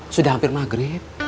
sudah hampir maghrib